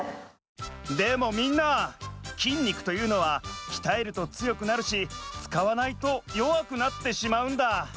でもみんな筋肉というのはきたえるとつよくなるしつかわないとよわくなってしまうんだ。